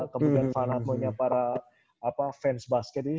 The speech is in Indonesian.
kemudian fanatonya para fans basket ini